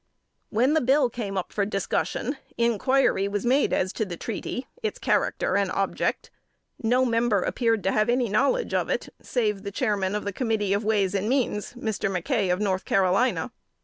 When the bill came up for discussion, inquiry was made as to the treaty, its character and object. No member appeared to have any knowledge of it, save the Chairman of the committee of Ways and Means, (Mr. McKay of North Carolina).